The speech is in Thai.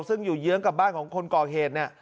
ซึ่งอยู่เยื้องกับบ้านของคนก่อเหตุเนี่ย